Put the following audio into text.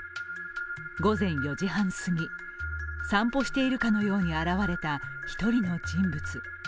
午前４時半すぎ、散歩しているかのように現れた１人の人物。